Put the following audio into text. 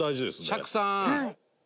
釈さん！